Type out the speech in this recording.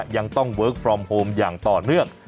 ยังต้องเวิร์คฟอร์มโฮมอย่างต่อเนื่อง